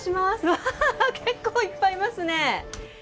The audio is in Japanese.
結構いっぱいいますね。